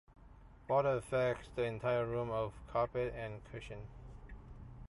Water affects the entire room of carpet and cushion.